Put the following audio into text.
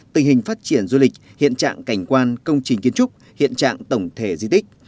tình hình phát triển du lịch hiện trạng cảnh quan công trình kiến trúc hiện trạng tổng thể di tích